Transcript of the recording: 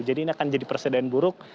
jadi ini akan jadi persediaan buruk